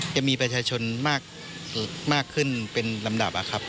จะมีประชาชนมากขึ้นเป็นลำดับครับ